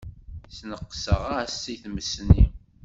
Sneqseɣ-as i tmes-nni.